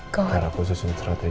karena aku sesuai strategi